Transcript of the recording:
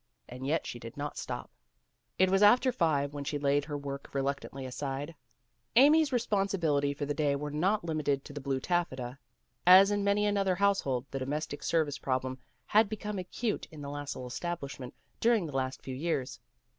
And yet she did not stop. It was after five when she laid her work reluctantly aside. Amy's responsibilities for the day were not limited to the blue taffeta. As in many another household, the domestic service problem had become acute in the Lassell establishment during the last few years.